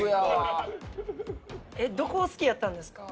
えっどこを好きやったんですか？